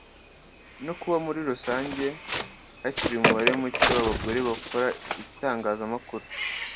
no kuba muri rusange hakiri umubare muke w’abagore bakora itangazamakuru